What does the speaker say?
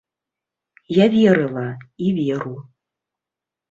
Я верыла, і веру.